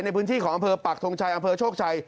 ในพื้นที่ของอำเภอปักทงชัยอำเภอโชคชัย